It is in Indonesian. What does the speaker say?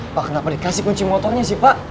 apa kenapa dikasih kunci motornya sih pak